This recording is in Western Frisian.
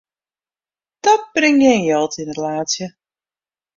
Dat bringt gjin jild yn it laadsje.